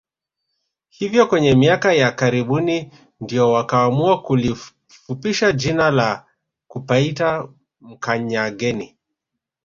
Hivyo kwenye miaka ya karibuni ndio wakaamua kulifupisha jina na kupaita Mkanyageni